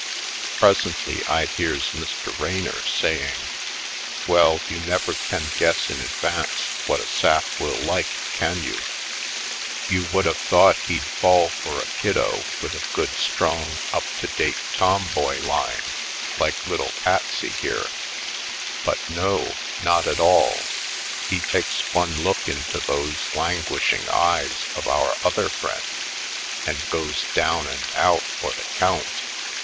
Presently I hears Mr. Raynor saying: "Well, you never can guess in advance what a sap will like, can you? You would 112 /. Poindexter^ Colored have thought he'd fall for a kiddo with a good, strong up to date tomboy line, like little Patsy here. But no — not at all! He takes one look into those languishing eyes of our other friend and goes down and out for the count.